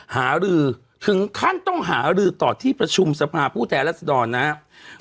หารือถึงขั้นต้องหารือต่อที่ประชุมสภาพผู้แทนรัศดรนะครับ